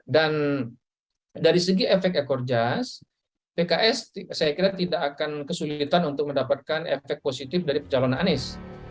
dan dari segi efek ekor jazz pks saya kira tidak akan kesulitan untuk mendapatkan efek positif dari pecalon anies